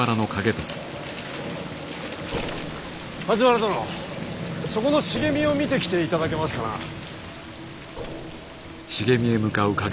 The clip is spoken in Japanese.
梶原殿そこの茂みを見てきていただけますかな。